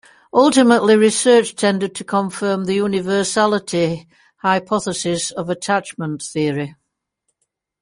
Ultimately research tended to confirm the universality hypothesis of attachment theory.